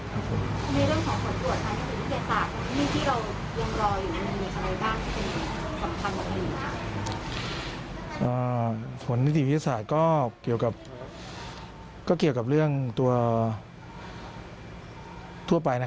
ในเรื่องของผลสวนชาติศหริตศาสตร์เรื่องที่เราลงรออยู่อยู่อันนั้น